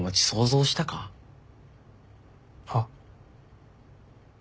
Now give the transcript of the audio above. はっ？